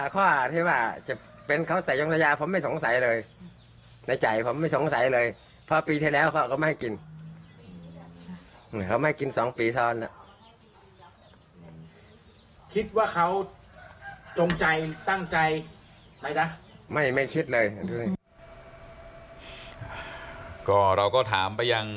คิดว่าเขาจงใจตั้งใจไปนะไม่ไม่คิดเลยก็เราก็ถามไปยัง